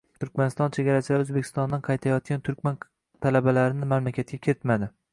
Turkmaniston chegarachilari O‘zbekistondan qaytayotgan turkman talabalarini mamlakatga kiritmadi